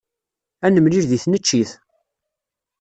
Ad nemlil deg tneččit.